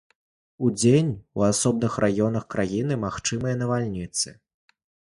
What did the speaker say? Удзень у асобных раёнах краіны магчымыя навальніцы.